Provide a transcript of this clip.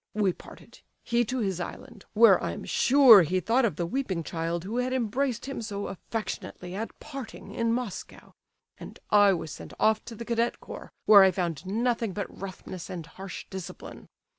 We parted, he to his island, where I am sure he thought of the weeping child who had embraced him so affectionately at parting in Moscow; and I was sent off to the cadet corps, where I found nothing but roughness and harsh discipline.